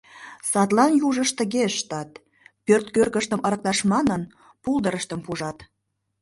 Садлан южышт тыге ыштат: пӧрткӧргыштым ырыкташ манын, пулдырыштым пужат.